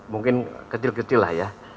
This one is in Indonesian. mungkin kecil kecil lah ya